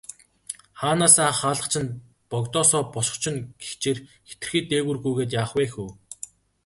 Хаанаасаа хаалгач нь, богдоосоо бошгоч нь гэгчээр хэтэрхий дээгүүр гүйгээд яах вэ хөө.